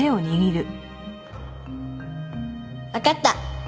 わかった。